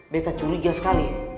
betta curiga sekali